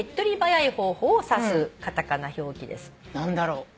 何だろう？